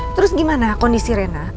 terus gimana kondisi rena